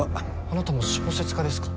あなたも小説家ですか？